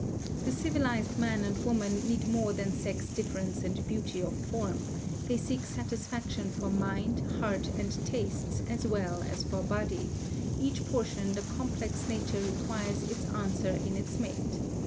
The civilised man and woman need more than sex difference and beauty of form; they seek satisfaction for mind, heart, and tastes as well as for body; each portion the complex nature requires its answer in its mate.